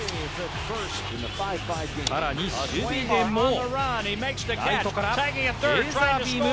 更に守備でも、ライトからレーザービーム。